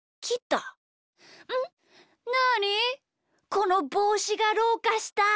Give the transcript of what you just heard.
このぼうしがどうかした？